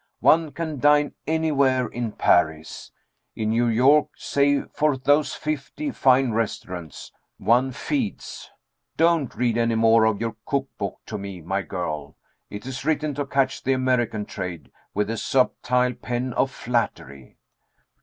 One can dine anywhere in Paris. In New York, save for those fifty fine restaurants, one feeds. Don't read any more of your cook book to me, my girl. It is written to catch the American trade, with the subtile pen of flattery."